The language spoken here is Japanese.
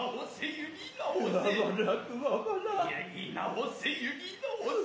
ゆり直せゆり直せ。